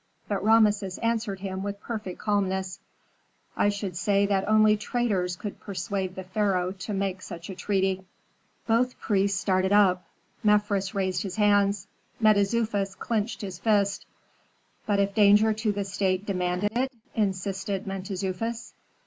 But Rameses answered him with perfect calmness, "I should say that only traitors could persuade the pharaoh to make such a treaty." Both priests started up. Mefres raised his hands; Mentezufis clinched his fist. "But if danger to the state demanded it?" insisted Mentezufis.